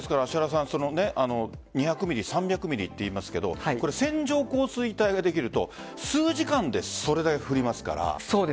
２００ミリ、３００ミリと言いますけど線状降水帯ができると数時間でそれぐらい降りますから。